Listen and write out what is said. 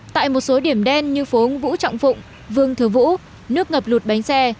tại một số điểm đen như phố vũ trọng phụng vương thứ vũ nước ngập lụt bánh xe